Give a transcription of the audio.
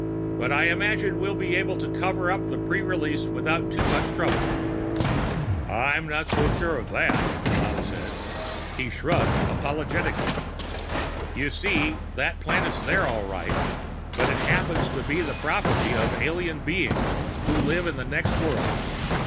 But I imagine we'll be able to cover up the pre release without too much trouble." "I'm not so sure of that," said McLeod. He shrugged apologetically. "You see, that planet's there, all right. But it happens to be the property of alien beings who live in the next world.